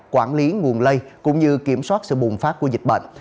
quản lý nguồn lây cũng như kiểm soát sự bùng phát của dịch bệnh